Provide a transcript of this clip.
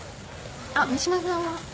あっ三島さんは？